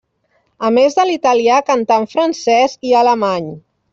A més de l'italià, cantà en francès i alemany.